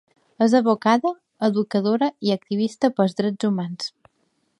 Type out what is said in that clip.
És advocada, educadora i activistes pels drets humans.